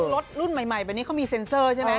รถรุ่นใหม่แบบนี้เขามีเซ็นเซอร์ใช่ไหม